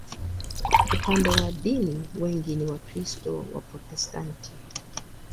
Upande wa dini, wengi ni Wakristo Waprotestanti.